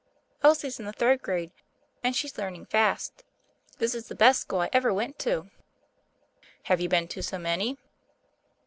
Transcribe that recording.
Elsie's in the third grade, and she's learning fast. This is the best school I ever went to." "Have you been to so many?"